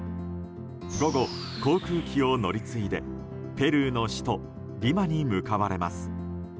午後、航空機を乗り継いでペルーの首都リマに向かわれます。